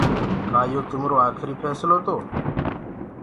ڪآ يو تمرو آکري ڦيسلو تو۔